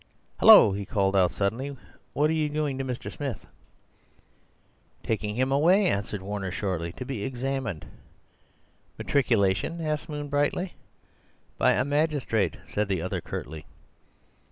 "Hullo!" he called out suddenly; "what are you doing to Mr. Smith?" "Taking him away," answered Warner shortly, "to be examined." "Matriculation?" asked Moon brightly. "By a magistrate," said the other curtly.